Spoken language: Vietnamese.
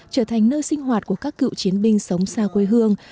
trở thành nơi sinh hoạt của các cựu chiến binh sống xa quê hương